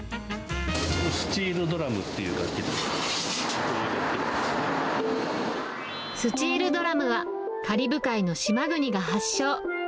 スチールドラムっていう楽器スチールドラムは、カリブ海の島国が発祥。